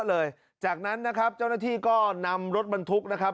เลยจากนั้นนะครับเจ้าหน้าที่ก็นำรถบรรทุกนะครับ